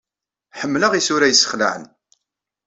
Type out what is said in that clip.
Ḥemmleɣ isura yessexlaɛen.